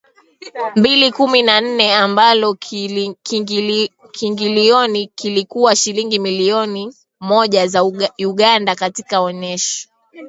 mbili kumi na nne ambalo kiingilioni kilikuwa shilingi milioni moja za Uganda Katika onesho